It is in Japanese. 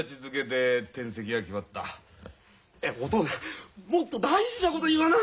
いやおとうさんもっと大事なこと言わな！